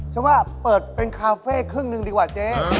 ฉันว่าเปิดเป็นคาเฟ่ครึ่งหนึ่งดีกว่าเจ๊